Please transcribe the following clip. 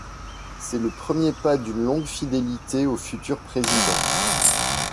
C'est le premier pas d'une longue fidélité au futur président.